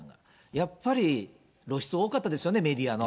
やっぱり、露出多かったですよね、メディアの。